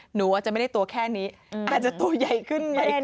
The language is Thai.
หนูอาจจะไม่ได้ตัวแค่นี้อาจจะตัวใหญ่ขึ้นใหญ่ขึ้น